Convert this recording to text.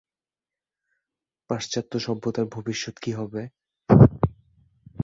পাশ্চাত্য সভ্যতার ভবিষ্যত কি হবে?